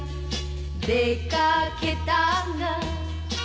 「出掛けたが」